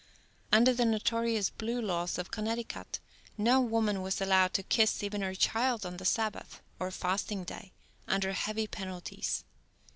Under the notorious "blue laws" of Connecticut, no woman was allowed to kiss even her child on the Sabbath, or fasting day, under heavy penalties.